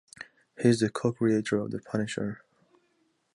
He's the co-creator of The Punisher.